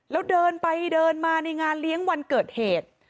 แล้วเดินไปเดินมาในงานเลี้ยงวันเกิดเหตุ